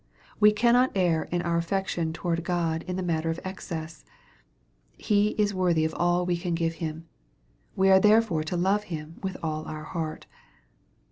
We cannot err in our affection toward God in the matter of excess. He is worthy of all we can give Him. We are therefore to love Him with all our heart.